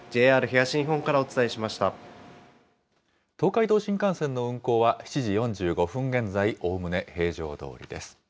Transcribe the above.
東海道新幹線の運行は７時４５分現在、おおむね平常どおりです。